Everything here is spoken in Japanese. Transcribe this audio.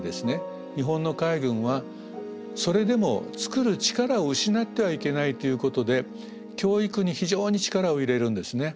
日本の海軍はそれでも造る力を失ってはいけないということで教育に非常に力を入れるんですね。